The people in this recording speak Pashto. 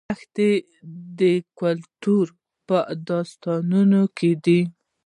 دښتې د کلتور په داستانونو کې دي.